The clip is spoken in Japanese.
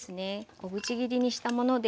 小口切りにしたものです。